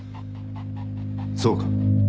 そうか。